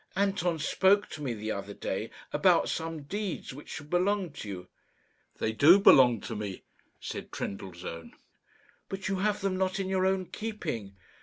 Anton spoke to me the other day about some deeds which should belong to you." "They do belong to me," said Trendellsohn. "But you have them not in your own keeping."